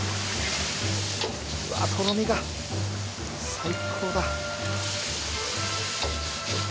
うわあとろみが最高だ。